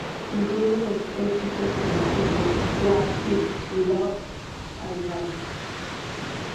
Incluye los exitosos sencillos "What Is Love" y "Life".